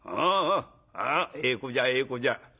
ああええ子じゃええ子じゃ」。